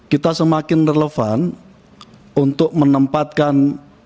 kita semakin relevan untuk menempatkan